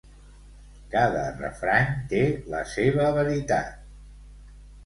Cada refrany té la seva veritat.